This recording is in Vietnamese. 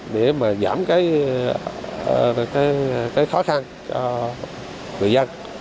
để mà giảm cái khó khăn cho người dân